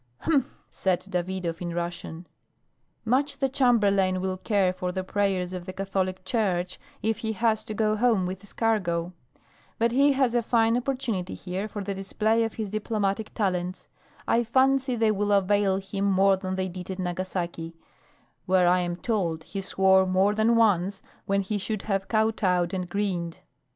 "Humph!" said Davidov in Russian. "Much the Chamberlain will care for the prayers of the Catholic Church if he has to go home with his cargo. But he has a fine opportunity here for the display of his diplomatic talents. I fancy they will avail him more than they did at Nagasaki where I am told he swore more than once when he should have kowtowed and grinned."